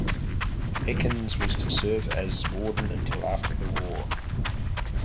Ekins was to serve as warden until after the war.